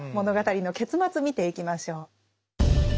物語の結末見ていきましょう。